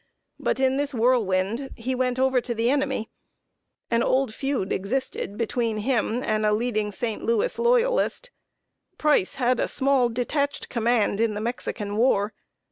But, in this whirlwind, he went over to the enemy. An old feud existed between him and a leading St. Louis loyalist. Price had a small, detached command in the Mexican war.